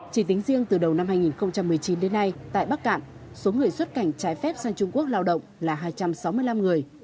chỉ tính riêng từ đầu năm hai nghìn một mươi chín đến nay tại bắc cạn số người xuất cảnh trái phép sang trung quốc lao động là hai trăm sáu mươi năm người